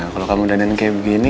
kalau kamu udah nanti kayak begini